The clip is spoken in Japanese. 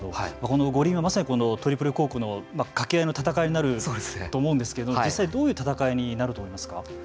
この五輪はまさにトリプルコークのかけ合いの戦いになると思うんですけど実際どういう戦いになると思いますか。